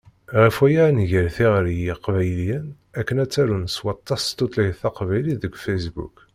Ɣef waya, ad d-nger tiɣri i Yiqbayliyen akken ad ttarun s waṭas s tutlayt taqbaylit deg Facebook.